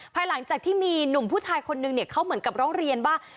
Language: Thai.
ภายหลังจากที่มีหนุ่มผู้ชายคนนึงเนี่ยเขาเหมือนกับร้องเรียนว่า